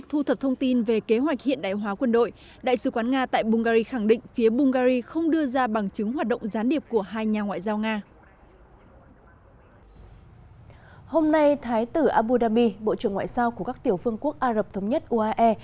hôm nay thái tử abu dhabi bộ trưởng ngoại giao của các tiểu phương quốc ả rập thống nhất uae